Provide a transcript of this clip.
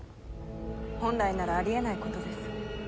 本来ならあり得ないことです。